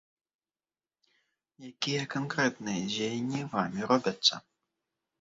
Якія канкрэтныя дзеянні вамі робяцца?